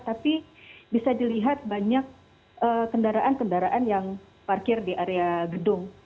tapi bisa dilihat banyak kendaraan kendaraan yang parkir di area gedung